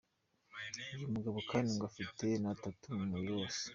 Uyu mugabo kandi ngo afite na tattoo ku mubiri we.